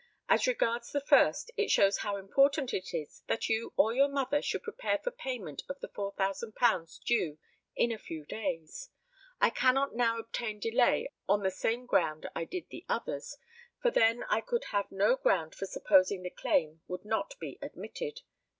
As regards the first, it shows how important it is that you or your mother should prepare for payment of the £4,000 due in a few days. I cannot now obtain delay on the same ground I did the others, for then I could have no ground for supposing the claim would not be admitted."